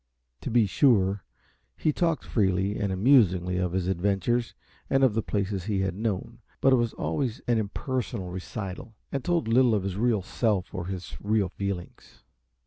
To be sure, he talked freely, and amusingly, of his adventures and of the places he had known, but it was always an impersonal recital, and told little of his real self or his real feelings.